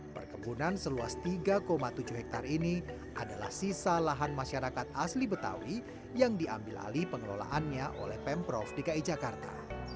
perkebunan seluas tiga tujuh hektare ini adalah sisa lahan masyarakat asli betawi yang diambil alih pengelolaannya oleh pemprov dki jakarta